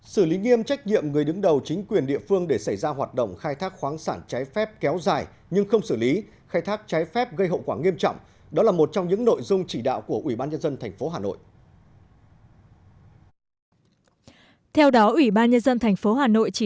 xử lý nghiêm trách nhiệm người đứng đầu chính quyền địa phương để xảy ra hoạt động khai thác khoáng sản trái phép kéo dài nhưng không xử lý khai thác trái phép gây hậu quả nghiêm trọng đó là một trong những nội dung chỉ đạo của ủy ban nhân dân tp hà nội